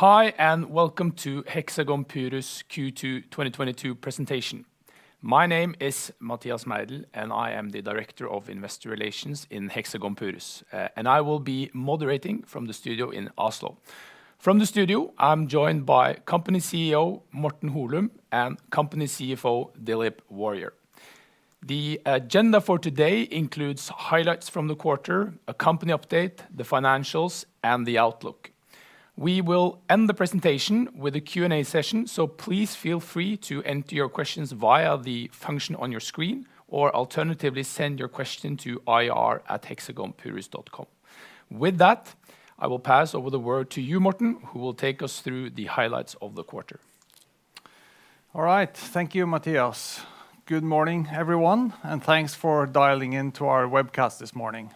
Hi, welcome to Hexagon Purus Q2 2022 presentation. My name is Mathias Meidell, and I am the Director of Investor Relations in Hexagon Purus. I will be moderating from the studio in Oslo. From the studio, I'm joined by company CEO, Morten Holum, and company CFO, Dilip Warrier. The agenda for today includes highlights from the quarter, a company update, the financials and the outlook. We will end the presentation with a Q&A session, so please feel free to enter your questions via the function on your screen, or alternatively, send your question to ir@hexagonpurus.com. With that, I will pass over the word to you, Morten, who will take us through the highlights of the quarter. All right. Thank you, Mathias. Good morning, everyone, and thanks for dialing into our webcast this morning.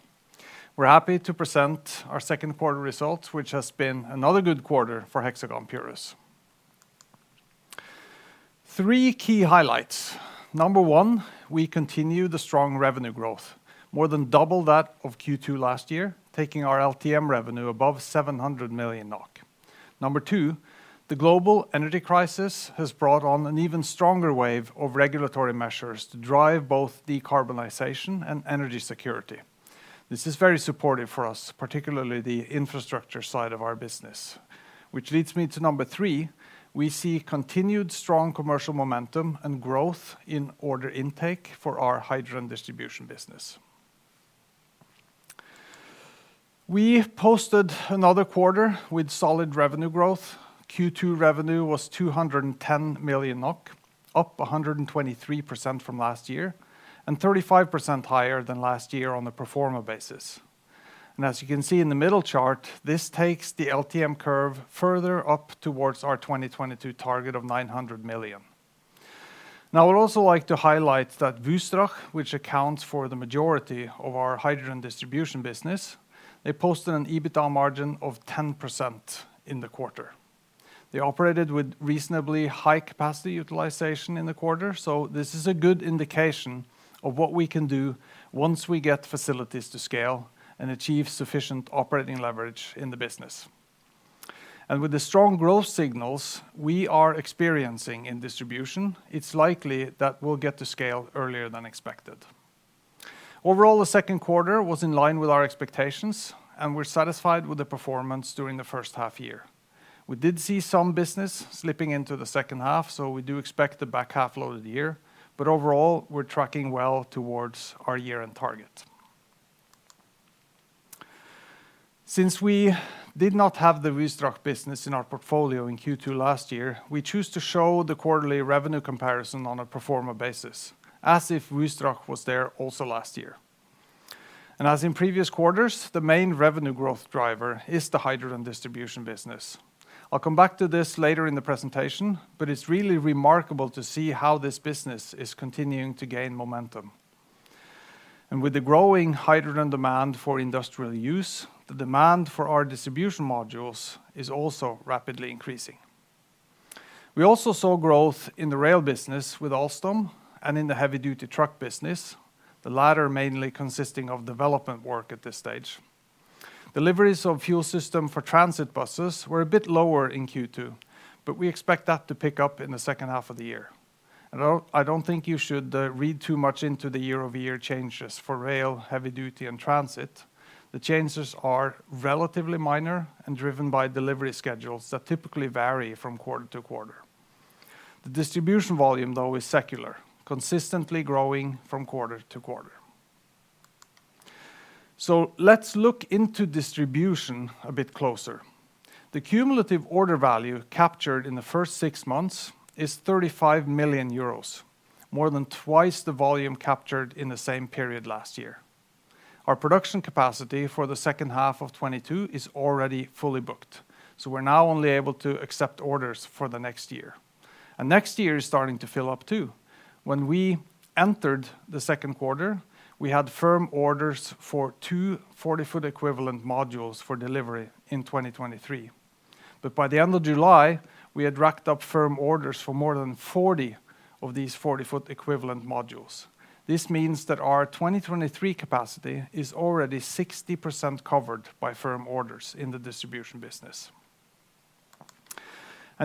We're happy to present our second quarter results, which has been another good quarter for Hexagon Purus. Three key highlights. Number one, we continue the strong revenue growth, more than double that of Q2 last year, taking our LTM revenue above 700 million NOK. Number two, the global energy crisis has brought on an even stronger wave of regulatory measures to drive both decarbonization and energy security. This is very supportive for us, particularly the infrastructure side of our business, which leads me to number three. We see continued strong commercial momentum and growth in order intake for our hydrogen distribution business. We posted another quarter with solid revenue growth. Q2 revenue was 210 million NOK, up 123% from last year, and 35% higher than last year on a pro forma basis. As you can see in the middle chart, this takes the LTM curve further up towards our 2022 target of 900 million. Now, I'd also like to highlight that Wystrach, which accounts for the majority of our hydrogen distribution business, they posted an EBITDA margin of 10% in the quarter. They operated with reasonably high capacity utilization in the quarter, so this is a good indication of what we can do once we get facilities to scale and achieve sufficient operating leverage in the business. With the strong growth signals we are experiencing in distribution, it's likely that we'll get to scale earlier than expected. Overall, the second quarter was in line with our expectations, and we're satisfied with the performance during the first half year. We did see some business slipping into the second half, so we do expect a back half load of the year. Overall, we're tracking well towards our year-end target. Since we did not have the Wystrach business in our portfolio in Q2 last year, we choose to show the quarterly revenue comparison on a pro forma basis as if Wystrach was there also last year. As in previous quarters, the main revenue growth driver is the hydrogen distribution business. I'll come back to this later in the presentation, but it's really remarkable to see how this business is continuing to gain momentum. With the growing hydrogen demand for industrial use, the demand for our distribution modules is also rapidly increasing. We also saw growth in the rail business with Alstom and in the heavy-duty truck business, the latter mainly consisting of development work at this stage. Deliveries of fuel system for transit buses were a bit lower in Q2, but we expect that to pick up in the second half of the year. I don't think you should read too much into the year-over-year changes for rail, heavy duty, and transit. The changes are relatively minor and driven by delivery schedules that typically vary from quarter to quarter. The distribution volume, though, is secular, consistently growing from quarter to quarter. Let's look into distribution a bit closer. The cumulative order value captured in the first six months is 35 million euros, more than twice the volume captured in the same period last year. Our production capacity for the second half of 2022 is already fully booked, so we're now only able to accept orders for the next year. Next year is starting to fill up, too. When we entered the second quarter, we had firm orders for 2 forty-foot equivalent modules for delivery in 2023. By the end of July, we had racked up firm orders for more than 40 of these forty-foot equivalent modules. This means that our 2023 capacity is already 60% covered by firm orders in the distribution business.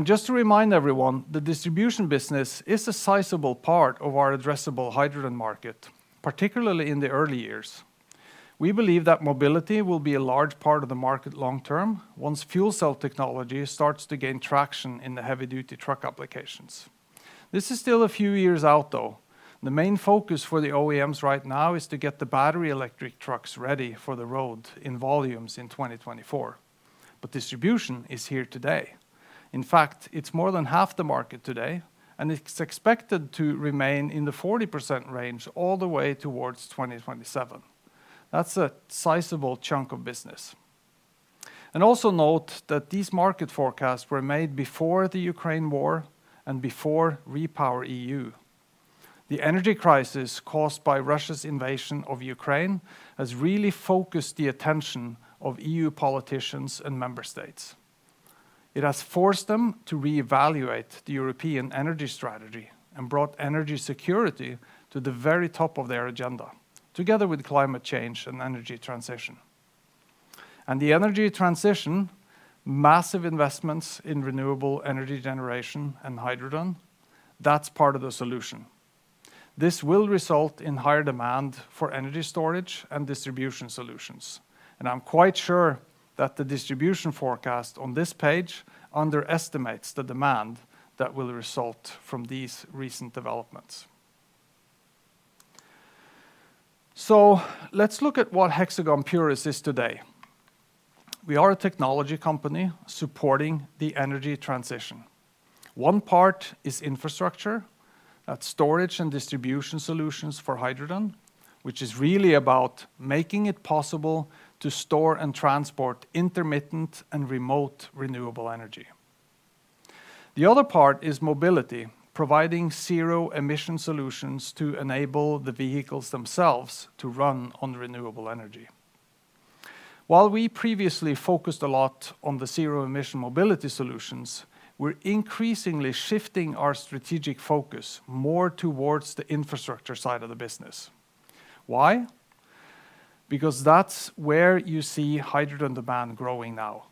Just to remind everyone, the distribution business is a sizable part of our addressable hydrogen market, particularly in the early years. We believe that mobility will be a large part of the market long term once fuel cell technology starts to gain traction in the heavy-duty truck applications. This is still a few years out, though. The main focus for the OEMs right now is to get the battery electric trucks ready for the road in volumes in 2024. Distribution is here today. In fact, it's more than half the market today, and it's expected to remain in the 40% range all the way towards 2027. That's a sizable chunk of business. Note that these market forecasts were made before the Ukraine war and before. The energy crisis caused by Russia's invasion of Ukraine has really focused the attention of EU politicians and member states. It has forced them to reevaluate the European energy strategy and brought energy security to the very top of their agenda, together with climate change and energy transition. The energy transition, massive investments in renewable energy generation and hydrogen, that's part of the solution. This will result in higher demand for energy storage and distribution solutions, and I'm quite sure that the distribution forecast on this page underestimates the demand that will result from these recent developments. Let's look at what Hexagon Purus is today. We are a technology company supporting the energy transition. One part is infrastructure, that's storage and distribution solutions for hydrogen, which is really about making it possible to store and transport intermittent and remote renewable energy. The other part is mobility, providing zero emission solutions to enable the vehicles themselves to run on renewable energy. While we previously focused a lot on the zero emission mobility solutions, we're increasingly shifting our strategic focus more towards the infrastructure side of the business. Why? Because that's where you see hydrogen demand growing now.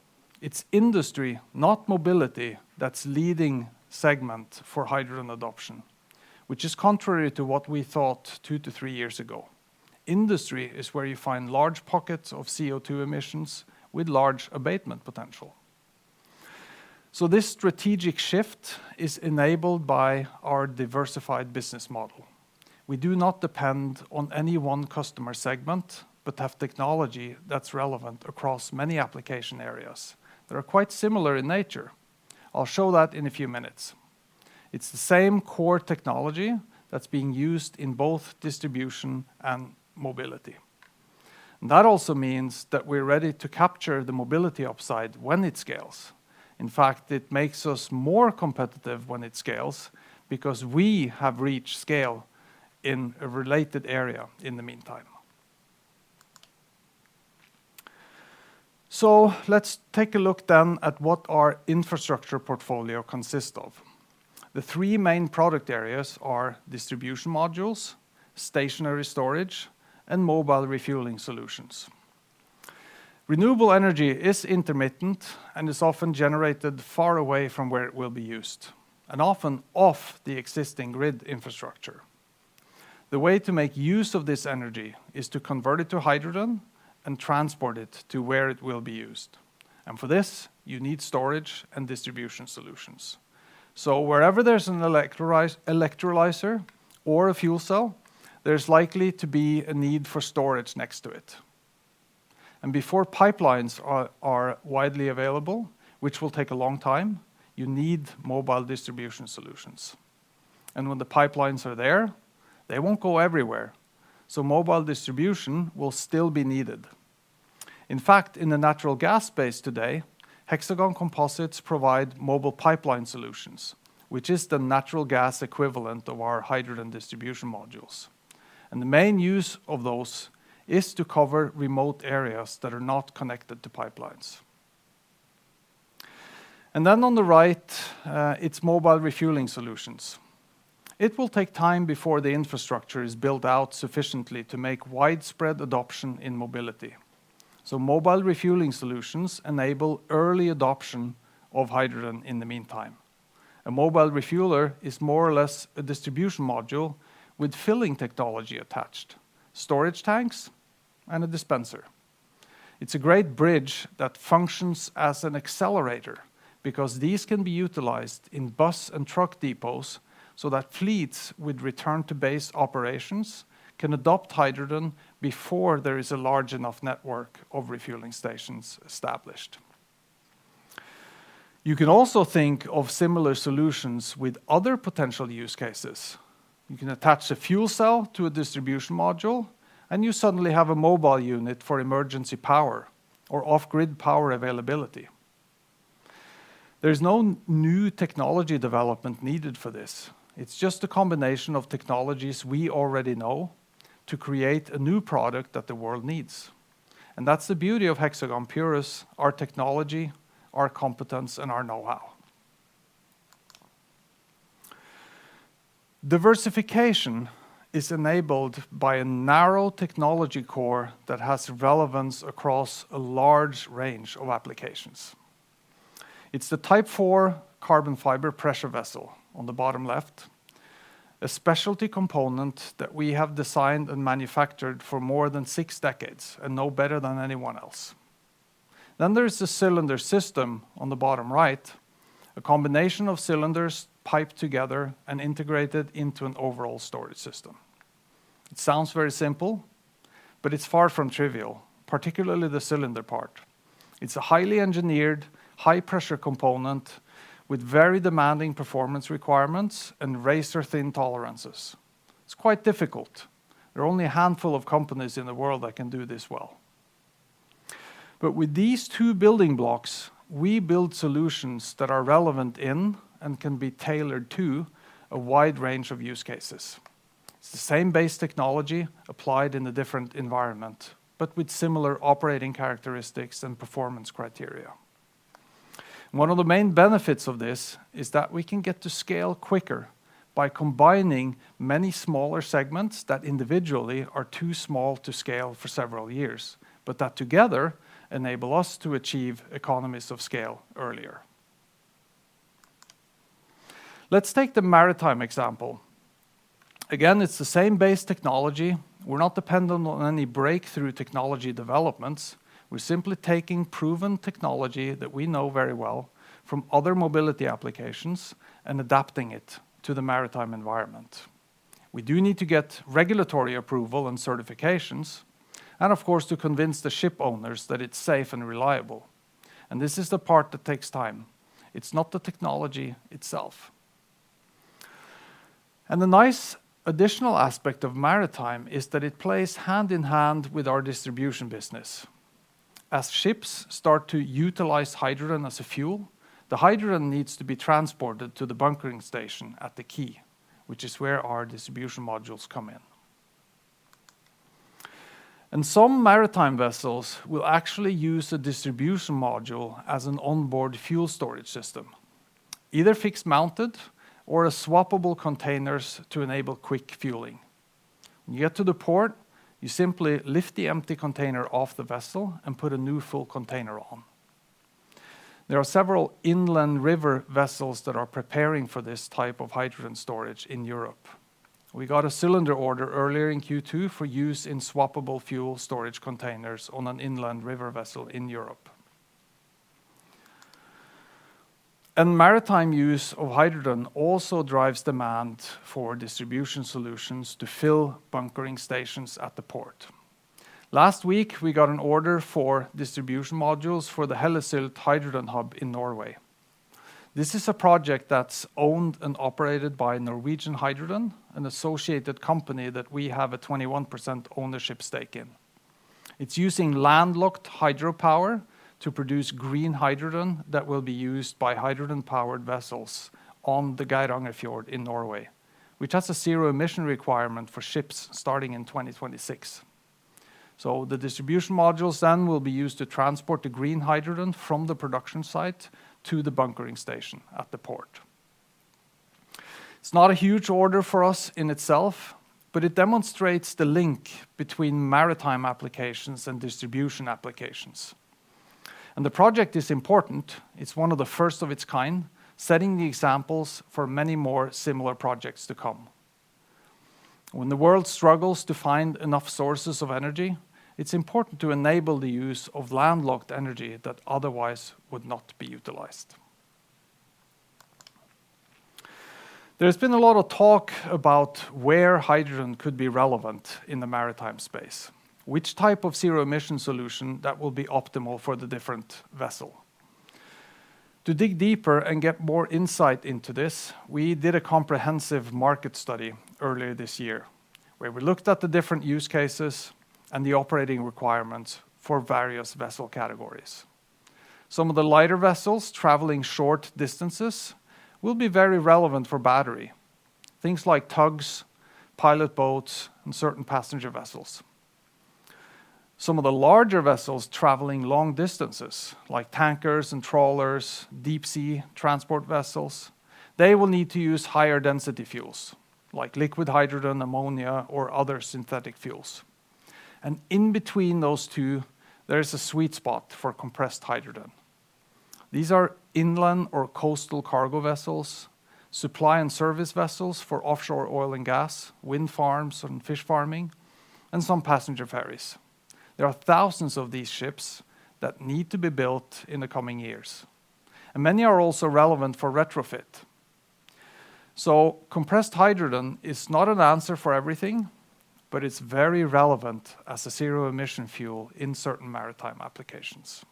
It's industry, not mobility, that's leading segment for hydrogen adoption, which is contrary to what we thought 2 to 3 years ago. Industry is where you find large pockets of CO2 emissions with large abatement potential. This strategic shift is enabled by our diversified business model. We do not depend on any one customer segment but have technology that's relevant across many application areas that are quite similar in nature. I'll show that in a few minutes. It's the same core technology that's being used in both distribution and mobility. That also means that we're ready to capture the mobility upside when it scales. In fact, it makes us more competitive when it scales because we have reached scale in a related area in the meantime. Let's take a look then at what our infrastructure portfolio consists of. The three main product areas are distribution modules, stationary storage, and mobile refueling solutions. Renewable energy is intermittent and is often generated far away from where it will be used, and often off the existing grid infrastructure. The way to make use of this energy is to convert it to hydrogen and transport it to where it will be used. For this, you need storage and distribution solutions. Wherever there's an electrolyzer or a fuel cell, there's likely to be a need for storage next to it. Before pipelines are widely available, which will take a long time, you need mobile distribution solutions. When the pipelines are there, they won't go everywhere, so mobile distribution will still be needed. In fact, in the natural gas space today, Hexagon Composites provide mobile pipeline solutions, which is the natural gas equivalent of our hydrogen distribution modules. The main use of those is to cover remote areas that are not connected to pipelines. On the right, it's mobile refueling solutions. It will take time before the infrastructure is built out sufficiently to make widespread adoption in mobility. Mobile refueling solutions enable early adoption of hydrogen in the meantime. A mobile refueler is more or less a distribution module with filling technology attached, storage tanks and a dispenser. It's a great bridge that functions as an accelerator because these can be utilized in bus and truck depots so that fleets with return to base operations can adopt hydrogen before there is a large enough network of refueling stations established. You can also think of similar solutions with other potential use cases. You can attach a fuel cell to a distribution module, and you suddenly have a mobile unit for emergency power or off-grid power availability. There's no new technology development needed for this. It's just a combination of technologies we already know to create a new product that the world needs. That's the beauty of Hexagon Purus, our technology, our competence, and our know-how. Diversification is enabled by a narrow technology core that has relevance across a large range of applications. It's the Type 4 carbon fiber pressure vessel on the bottom left, a specialty component that we have designed and manufactured for more than six decades and know better than anyone else. There is the cylinder system on the bottom right, a combination of cylinders piped together and integrated into an overall storage system. It sounds very simple, but it's far from trivial, particularly the cylinder part. It's a highly engineered, high pressure component with very demanding performance requirements and razor-thin tolerances. It's quite difficult. There are only a handful of companies in the world that can do this well. With these two building blocks, we build solutions that are relevant in and can be tailored to a wide range of use cases. It's the same base technology applied in a different environment, but with similar operating characteristics and performance criteria. One of the main benefits of this is that we can get to scale quicker by combining many smaller segments that individually are too small to scale for several years, but that together enable us to achieve economies of scale earlier. Let's take the maritime example. Again, it's the same base technology. We're not dependent on any breakthrough technology developments. We're simply taking proven technology that we know very well from other mobility applications and adapting it to the maritime environment. We do need to get regulatory approval and certifications, and of course, to convince the ship owners that it's safe and reliable. This is the part that takes time. It's not the technology itself. The nice additional aspect of maritime is that it plays hand in hand with our distribution business. As ships start to utilize hydrogen as a fuel, the hydrogen needs to be transported to the bunkering station at the quay, which is where our distribution modules come in. Some maritime vessels will actually use a distribution module as an onboard fuel storage system, either fixed mounted or as swappable containers to enable quick fueling. When you get to the port, you simply lift the empty container off the vessel and put a new full container on. There are several inland river vessels that are preparing for this type of hydrogen storage in Europe. We got a cylinder order earlier in Q2 for use in swappable fuel storage containers on an inland river vessel in Europe. Maritime use of hydrogen also drives demand for distribution solutions to fill bunkering stations at the port. Last week, we got an order for distribution modules for the Hellesylt Hydrogen Hub in Norway. This is a project that's owned and operated by Norwegian Hydrogen, an associated company that we have a 21% ownership stake in. It's using landlocked hydropower to produce green hydrogen that will be used by hydrogen-powered vessels on the Geiranger Fjord in Norway, which has a zero-emission requirement for ships starting in 2026. The distribution modules then will be used to transport the green hydrogen from the production site to the bunkering station at the port. It's not a huge order for us in itself, but it demonstrates the link between maritime applications and distribution applications. The project is important. It's one of the first of its kind, setting the examples for many more similar projects to come. When the world struggles to find enough sources of energy, it's important to enable the use of landlocked energy that otherwise would not be utilized. There's been a lot of talk about where hydrogen could be relevant in the maritime space, which type of zero emission solution that will be optimal for the different vessel. To dig deeper and get more insight into this, we did a comprehensive market study earlier this year, where we looked at the different use cases and the operating requirements for various vessel categories. Some of the lighter vessels traveling short distances will be very relevant for battery. Things like tugs, pilot boats, and certain passenger vessels. Some of the larger vessels traveling long distances, like tankers and trawlers, deep sea transport vessels, they will need to use higher density fuels, like liquid hydrogen, ammonia, or other synthetic fuels. In between those two, there is a sweet spot for compressed hydrogen. These are inland or coastal cargo vessels, supply and service vessels for offshore oil and gas, wind farms and fish farming, and some passenger ferries. There are thousands of these ships that need to be built in the coming years, and many are also relevant for retrofit. Compressed hydrogen is not an answer for everything, but it's very relevant as a zero emission fuel in certain maritime applications.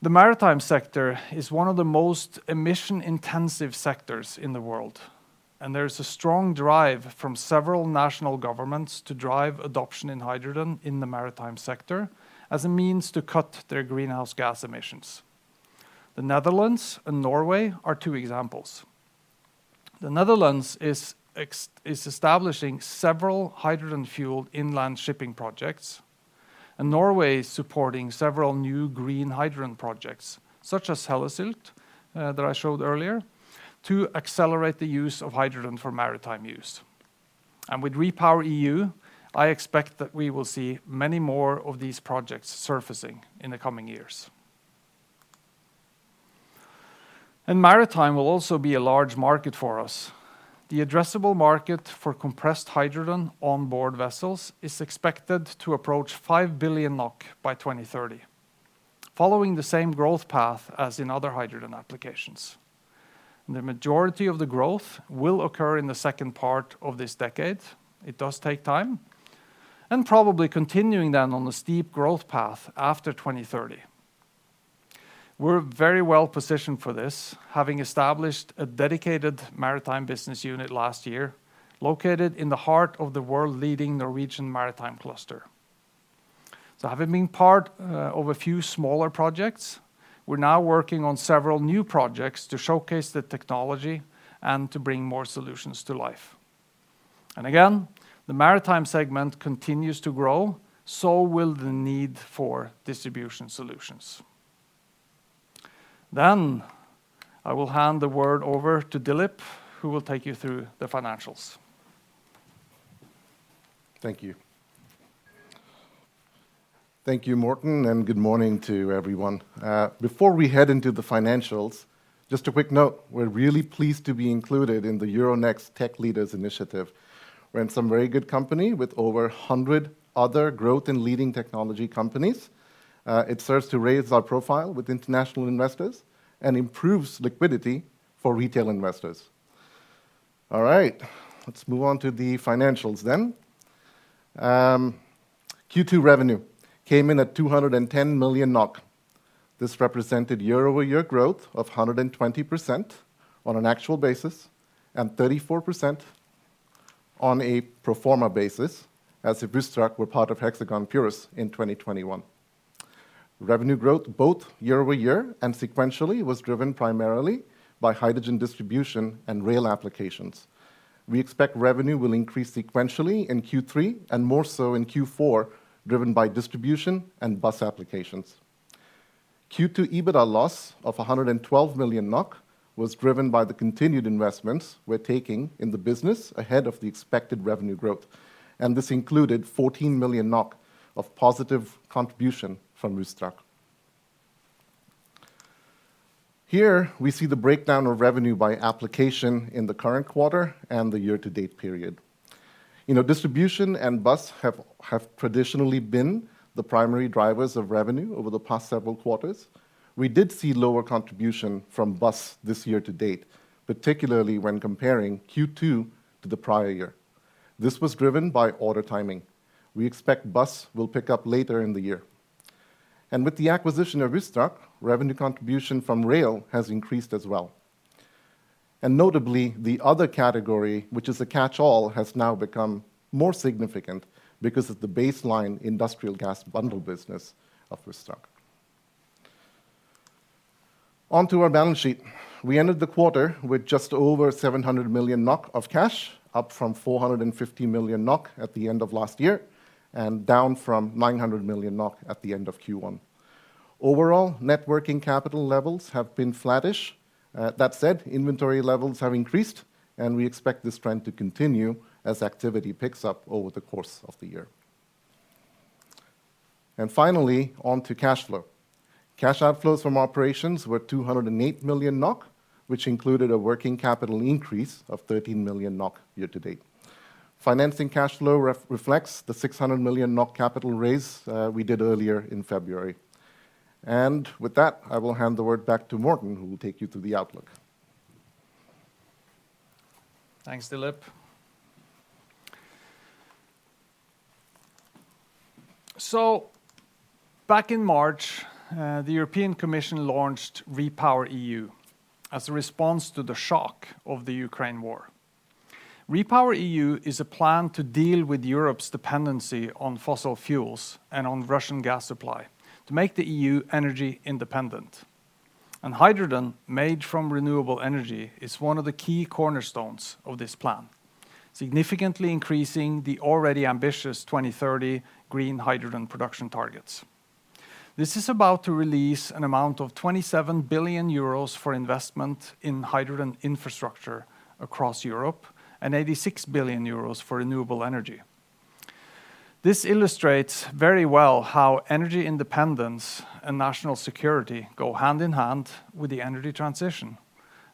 The maritime sector is one of the most emission-intensive sectors in the world, and there is a strong drive from several national governments to drive adoption in hydrogen in the maritime sector as a means to cut their greenhouse gas emissions. The Netherlands and Norway are two examples. The Netherlands is establishing several hydrogen-fueled inland shipping projects, and Norway is supporting several new green hydrogen projects, such as Hellesylt, that I showed earlier, to accelerate the use of hydrogen for maritime use. With REPowerEU, I expect that we will see many more of these projects surfacing in the coming years. Maritime will also be a large market for us. The addressable market for compressed hydrogen on board vessels is expected to approach 5 billion NOK by 2030, following the same growth path as in other hydrogen applications. The majority of the growth will occur in the second part of this decade. It does take time, and probably continuing then on a steep growth path after 2030. We're very well positioned for this, having established a dedicated maritime business unit last year, located in the heart of the world-leading Norwegian maritime cluster. Having been part of a few smaller projects, we're now working on several new projects to showcase the technology and to bring more solutions to life. Again, the maritime segment continues to grow, so will the need for distribution solutions. I will hand the word over to Dilip, who will take you through the financials. Thank you. Thank you, Morten, and good morning to everyone. Before we head into the financials, just a quick note. We're really pleased to be included in the Euronext Tech Leaders initiative. We're in some very good company with over 100 other growth and leading technology companies. It serves to raise our profile with international investors and improves liquidity for retail investors. All right, let's move on to the financials then. Q2 revenue came in at 210 million NOK. This represented year-over-year growth of 120% on an actual basis, and 34% on a pro forma basis as if Rystad were part of Hexagon Purus in 2021. Revenue growth both year-over-year and sequentially was driven primarily by hydrogen distribution and rail applications. We expect revenue will increase sequentially in Q3 and more so in Q4, driven by distribution and bus applications. Q2 EBITDA loss of 112 million NOK was driven by the continued investments we're taking in the business ahead of the expected revenue growth, and this included 14 million NOK of positive contribution from Rystad. Here we see the breakdown of revenue by application in the current quarter and the year-to-date period. You know, distribution and bus have traditionally been the primary drivers of revenue over the past several quarters. We did see lower contribution from bus this year to date, particularly when comparing Q2 to the prior year. This was driven by order timing. We expect bus will pick up later in the year. With the acquisition of Rystad, revenue contribution from rail has increased as well. Notably, the other category, which is a catch-all, has now become more significant because of the baseline industrial gas bundle business of Rystad. On to our balance sheet. We ended the quarter with just over 700 million NOK of cash, up from 450 million NOK at the end of last year, and down from 900 million NOK at the end of Q1. Overall, net working capital levels have been flattish. That said, inventory levels have increased, and we expect this trend to continue as activity picks up over the course of the year. Finally, on to cash flow. Cash outflows from operations were 208 million NOK, which included a working capital increase of 13 million NOK year to date. Financing cash flow reflects the 600 million NOK capital raise we did earlier in February. With that, I will hand the word back to Morten, who will take you through the outlook. Thanks, Dilip. Back in March, the European Commission launched REPowerEU as a response to the shock of the Ukraine war. REPowerEU is a plan to deal with Europe's dependency on fossil fuels and on Russian gas supply to make the EU energy independent. Hydrogen made from renewable energy is one of the key cornerstones of this plan, significantly increasing the already ambitious 2030 green hydrogen production targets. This is about to release an amount of 27 billion euros for investment in hydrogen infrastructure across Europe and 86 billion euros for renewable energy. This illustrates very well how energy independence and national security go hand-in-hand with the energy transition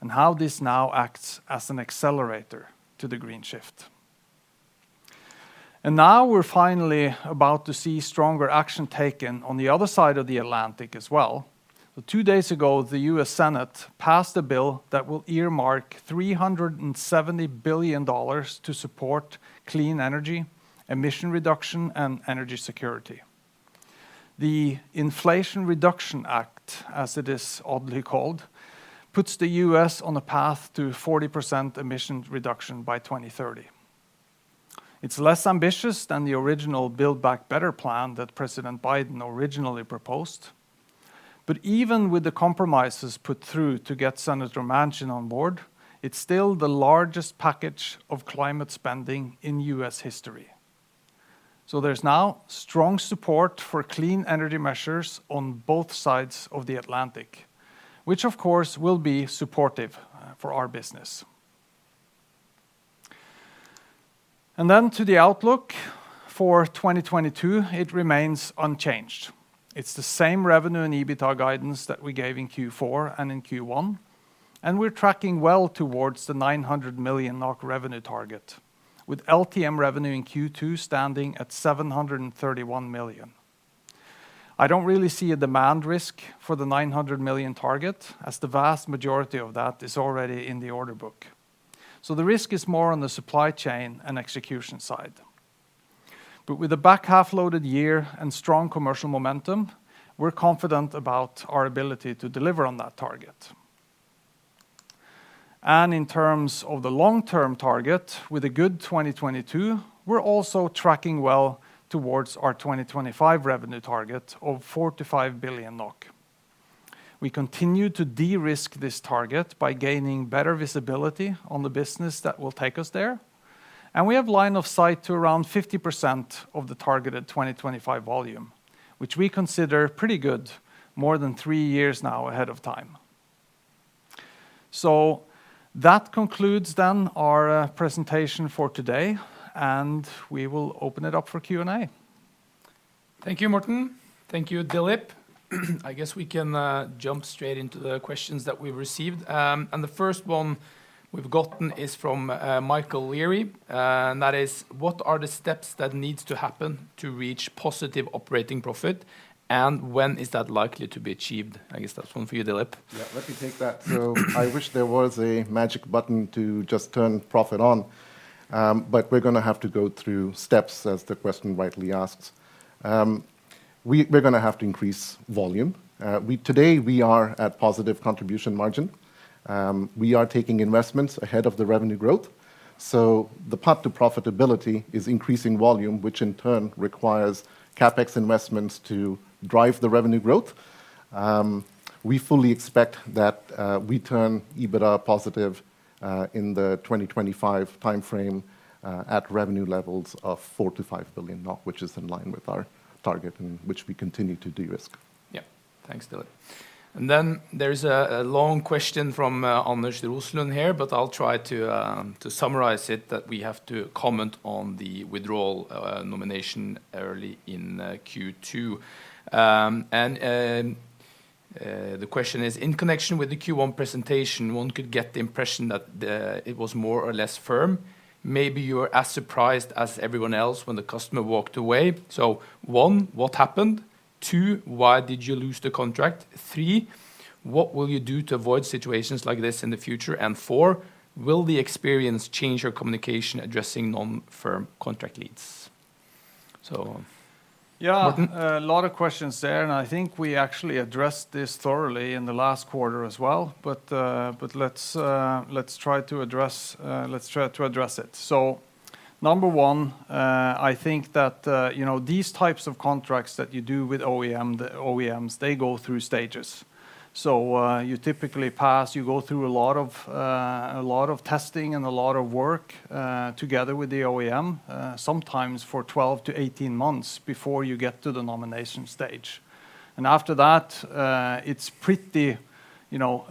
and how this now acts as an accelerator to the green shift. Now we're finally about to see stronger action taken on the other side of the Atlantic as well. Two days ago, the U.S. Senate passed a bill that will earmark $370 billion to support clean energy, emission reduction, and energy security. The Inflation Reduction Act, as it is oddly called, puts the U.S. on a path to 40% emission reduction by 2030. It's less ambitious than the original Build Back Better plan that President Biden originally proposed. Even with the compromises put through to get Senator Manchin on board, it's still the largest package of climate spending in U.S. history. There's now strong support for clean energy measures on both sides of the Atlantic, which of course will be supportive for our business. To the outlook for 2022, it remains unchanged. It's the same revenue and EBITDA guidance that we gave in Q4 and in Q1, and we're tracking well towards the 900 million NOK revenue target, with LTM revenue in Q2 standing at 731 million NOK. I don't really see a demand risk for the 900 million NOK target as the vast majority of that is already in the order book. So, the risk is more on the supply chain and execution side. But with a back half-loaded year and strong commercial momentum, we're confident about our ability to deliver on that target. In terms of the long-term target with a good 2022, we're also tracking well towards our 2025 revenue target of 45 billion NOK. We continue to de-risk this target by gaining better visibility on the business that will take us there. We have line of sight to around 50% of the targeted 2025 volume, which we consider pretty good more than 3 years now ahead of time. That concludes then our presentation for today, and we will open it up for Q&A. Thank you, Morten. Thank you, Dilip. I guess we can jump straight into the questions that we received. The first one we've gotten is from Michael Leary, and that is, "What are the steps that needs to happen to reach positive operating profit, and when is that likely to be achieved?" I guess that's one for you, Dilip. Yeah, let me take that. I wish there was a magic button to just turn profit on, but we're gonna have to go through steps, as the question rightly asks. We're gonna have to increase volume. Today we are at positive contribution margin. We are taking investments ahead of the revenue growth. The path to profitability is increasing volume, which in turn requires CapEx investments to drive the revenue growth. We fully expect that we turn EBITDA positive in the 2025 timeframe at revenue levels of 4 to 5 billion, which is in line with our target and which we continue to de-risk. Yeah. Thanks, Dilip. Then there's a long question from Bernhard Rotter here, but I'll try to summarize it that we have to comment on the withdrawal nomination early in Q2. The question is, in connection with the Q1 presentation, one could get the impression that it was more or less firm. Maybe you're as surprised as everyone else when the customer walked away. One, what happened? Two, why did you lose the contract? Three, what will you do to avoid situations like this in the future? And four, will the experience change your communication addressing non-firm contract leads? Morten. Yeah. A lot of questions there, and I think we actually addressed this thoroughly in the last quarter as well. Let's try to address it. Number one, I think that, you know, these types of contracts that you do with OEM, the OEMs, they go through stages. You typically go through a lot of testing and a lot of work together with the OEM, sometimes for 12 to 18 months before you get to the nomination stage. After that, it's pretty clear, you know,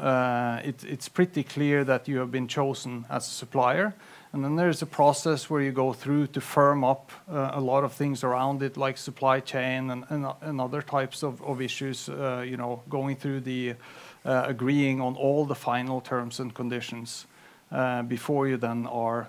that you have been chosen as a supplier. There's a process where you go through to firm up a lot of things around it, like supply chain and other types of issues, you know, going through, agreeing on all the final terms and conditions, before you then are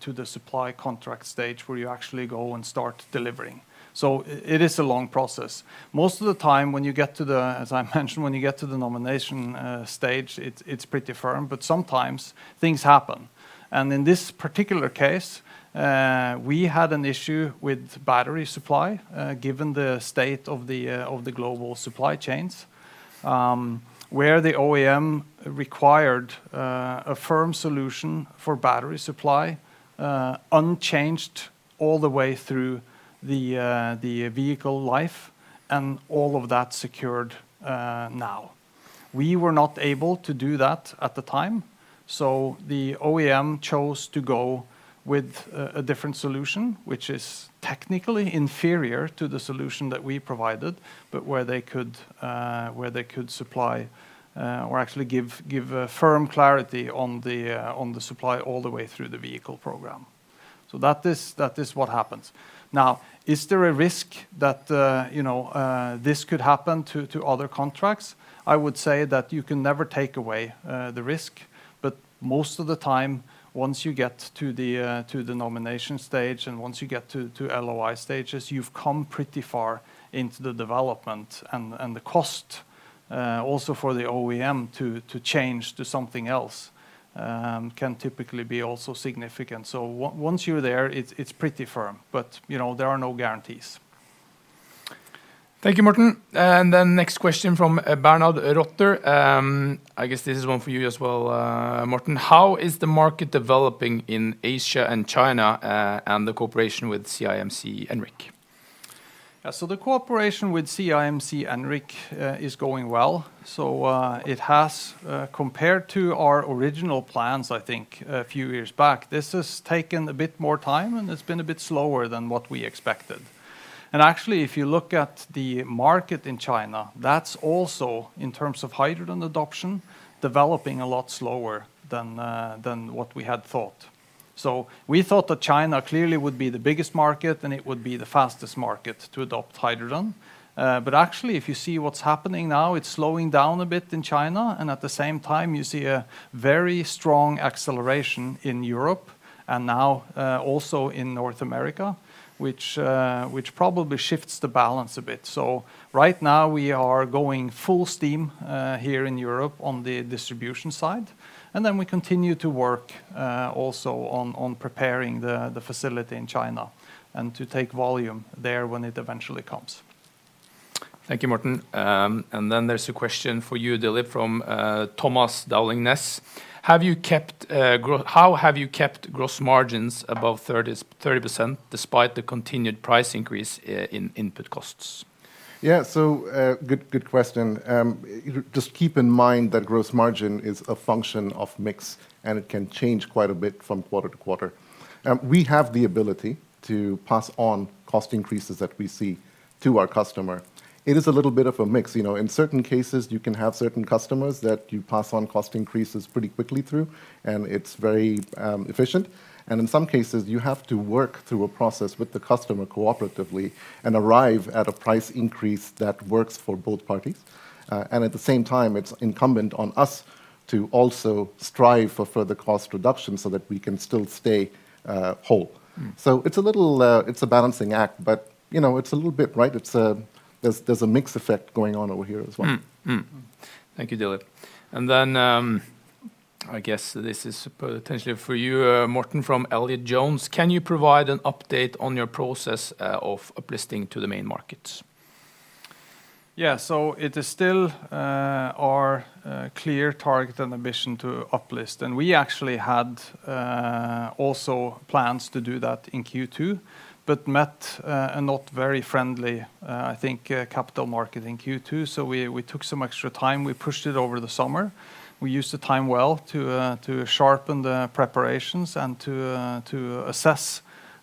to the supply contract stage where you actually go and start delivering. It is a long process. Most of the time when you get to the, as I mentioned, when you get to the nomination stage, it's pretty firm, but sometimes things happen. In this particular case, we had an issue with battery supply, given the state of the global supply chains, where the OEM required a firm solution for battery supply, unchanged all the way through the vehicle life and all of that secured now. We were not able to do that at the time, so the OEM chose to go with a different solution, which is technically inferior to the solution that we provided, but where they could supply or actually give a firm clarity on the supply all the way through the vehicle program. That is what happens. Now, is there a risk that you know this could happen to other contracts? I would say that you can never take away the risk. Most of the time, once you get to the nomination stage, and once you get to LOI stages, you've come pretty far into the development and the cost also for the OEM to change to something else can typically be also significant. Once you're there, it's pretty firm, but you know, there are no guarantees. Thank you, Morten Holum. Next question from Bernhard Rotter. I guess this is one for you as well, Morten Holum. How is the market developing in Asia and China, and the cooperation with CIMC Enric? Yeah. The cooperation with CIMC Enric is going well. It has, compared to our original plans, I think a few years back, this has taken a bit more time, and it's been a bit slower than what we expected. Actually, if you look at the market in China, that's also, in terms of hydrogen adoption, developing a lot slower than what we had thought. We thought that China clearly would be the biggest market, and it would be the fastest market to adopt hydrogen. Actually, if you see what's happening now, it's slowing down a bit in China, and at the same time, you see a very strong acceleration in Europe and now, also in North America, which probably shifts the balance a bit. Right now we are going full steam here in Europe on the distribution side, and then we continue to work also on preparing the facility in China and to take volume there when it eventually comes. Thank you, Morten. There's a question for you, Dilip, from Thomas Dowling Næss. Have you kept gross margins above 30% despite the continued price increase in input costs? Yeah. Good question. Just keep in mind that gross margin is a function of mix, and it can change quite a bit from quarter to quarter. We have the ability to pass on cost increases that we see to our customer. It is a little bit of a mix. You know, in certain cases, you can have certain customers that you pass on cost increases pretty quickly through, and it's very efficient. In some cases, you have to work through a process with the customer cooperatively and arrive at a price increase that works for both parties. At the same time, it's incumbent on us to also strive for further cost reduction so that we can still stay whole. It's a little balancing act, but you know, it's a little bit, right? It's, there's a mix effect going on over here as well. Thank you, Dilip. I guess this is potentially for you, Morten, from Elliott Jones. Can you provide an update on your process of uplisting to the main markets? Yeah. It is still our clear target and ambition to uplist. We actually had also plans to do that in Q2, but met a not very friendly, I think, capital market in Q2. We took some extra time. We pushed it over the summer. We used the time well to sharpen the preparations and to assess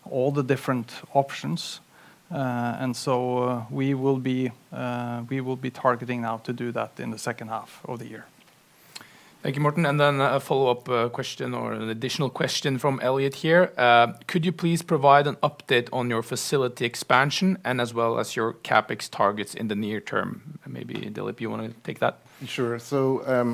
all the different options. We will be targeting now to do that in the second half of the year. Thank you, Morten. A follow-up question or an additional question from Elliot here. Could you please provide an update on your facility expansion and as well as your CapEx targets in the near term? Maybe Dilip, you wanna take that? Sure.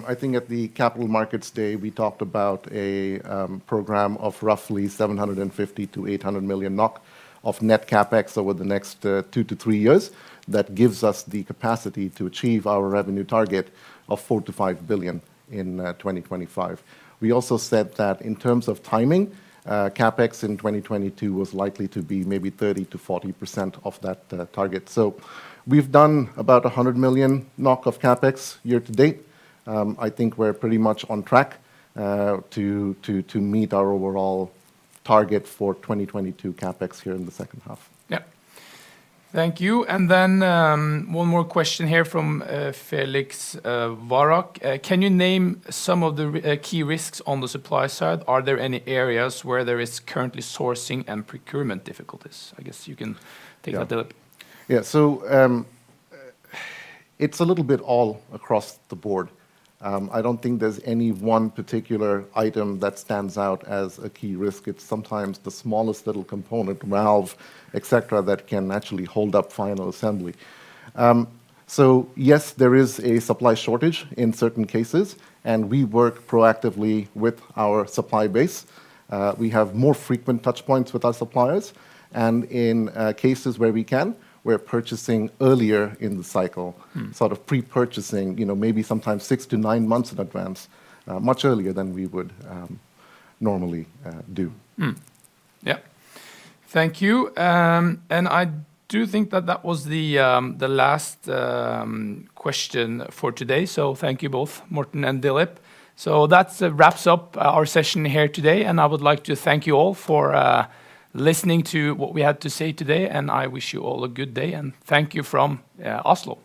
I think at the Capital Markets Day, we talked about a program of roughly 750 million-800 million NOK of net CapEx over the next two to three years. That gives us the capacity to achieve our revenue target of 4 billion-5 billion in 2025. We also said that in terms of timing, CapEx in 2022 was likely to be maybe 30% to 40% of that target. We've done about 100 million NOK of CapEx year to date. I think we're pretty much on track to meet our overall target for 2022 CapEx here in the second half. Yeah. Thank you. One more question here from Felix Varrock. Can you name some of the key risks on the supply side? Are there any areas where there is currently sourcing and procurement difficulties? I guess you can take that, Dilip. It's a little bit all across the board. I don't think there's any one particular item that stands out as a key risk. It's sometimes the smallest little component, valve, et cetera, that can actually hold up final assembly. Yes, there is a supply shortage in certain cases, and we work proactively with our supply base. We have more frequent touch points with our suppliers, and in cases where we can, we're purchasing earlier in the cycle. Mm. Sort of pre-purchasing, you know, maybe sometimes 6 to 9 months in advance, much earlier than we would normally do. Yeah. Thank you. I do think that was the last question for today. Thank you both, Morten and Dilip. That wraps up our session here today, and I would like to thank you all for listening to what we had to say today, and I wish you all a good day, and thank you from Oslo.